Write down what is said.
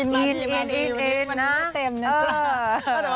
มันตุด้วยเต็มนะจริง